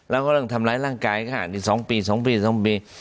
แล้วก็เรื่องทำร้ายร่างกายขนาดนี้๒ปี๒ปี๒ปี